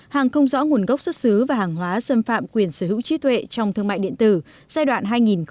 hàng không rõ nguồn gốc xuất xứ và hàng hóa xâm phạm quyền sở hữu trí tuệ trong thương mại điện tử giai đoạn hai nghìn một mươi tám hai nghìn hai mươi